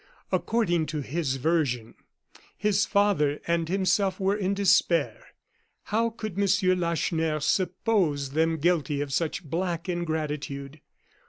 According to his version, his father and himself were in despair. How could M. Lacheneur suppose them guilty of such black ingratitude?